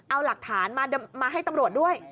เอาหลักฐานมาให้ตำรวจด้วย